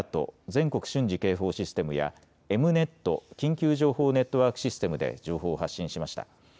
・全国瞬時警報システムやエムネット・緊急情報ネットワークシステムで情報を発信しました。